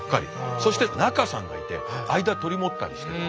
そして中さんがいて間取り持ったりして。